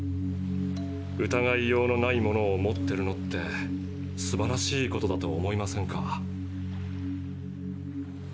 疑いようのないものを持ってるのってすばらしいことだと思いませんか？